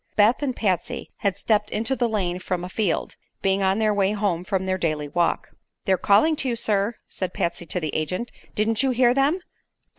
Beth and Patsy had stepped into the lane from a field, being on their way home from their daily walk. "They're calling to you, sir," said Patsy to the agent. "Didn't you hear them?"